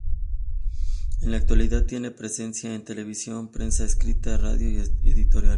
En la actualidad tiene presencia en televisión, prensa escrita, radio y editoriales.